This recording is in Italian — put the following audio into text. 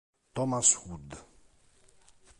Thomas Hood